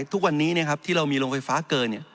ทุกวันนี้ที่เรามีโรงไฟฟ้าเกิน